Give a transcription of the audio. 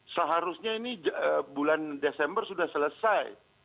seharusnya ini bulan desember sudah selesai